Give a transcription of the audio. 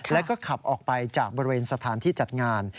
แล้วก็ขับออกไปจากบริเวณสถานที่จัดงาน